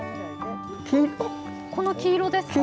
この黄色ですか？